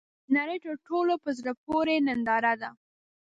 د نړۍ تر ټولو ، په زړه پورې ننداره ده .